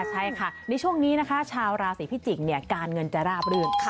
ใช่ค่ะในช่วงนี้นะคะชาวราศีพิจิกษ์การเงินจะราบรื่น